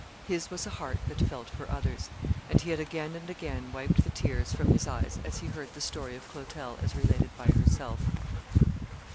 His was a heart that felt for others, and he had again and again wiped the tears from his eyes as he heard the story of Clotel as related by herself.